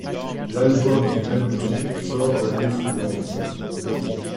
L’album du même nom sort l’année suivante.